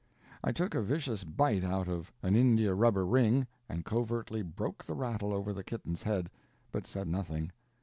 I took a vicious bite out of an India rubber ring, and covertly broke the rattle over the kitten's head, but said nothing.